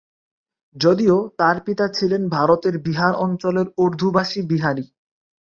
যদিও, তার পিতা ছিলেন ভারতের বিহার অঞ্চলের উর্দুভাষী বিহারী।